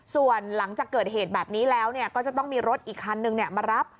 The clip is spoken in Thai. ส่วนหลังจากเกิดเหตุแบบนี้แล้วก็จะต้องมีรถอีกคันนึงมารับ